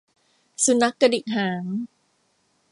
สุนัขกระดิกหาง